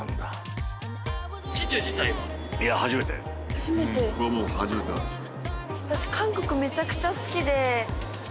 初めてここはもう初めてなんですよ